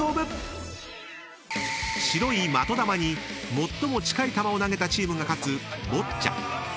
［白い的球に最も近い球を投げたチームが勝つボッチャ］